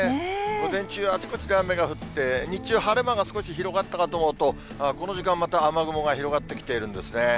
午前中はあちこちで雨が降って、日中、晴れ間が少し広がったかと思うと、この時間、また、雨雲が広がってきているんですね。